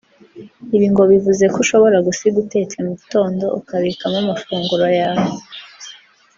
Ibi ngo bivuze ko ushobora gusiga utetse mu gitondo ukabikamo amafunguro yawe